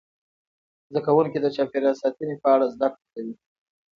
زده کوونکي د چاپیریال ساتنې په اړه زده کړه کوي.